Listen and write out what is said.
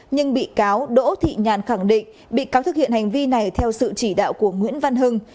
nhưng bị cáo đỗ thị nhàn khẳng định bị cáo thực hiện hành vi này theo sự chỉ đạo của nguyễn văn hưng